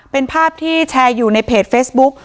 เป็นภาพที่แชร์อยู่ในเพจเฟซบุ๊ก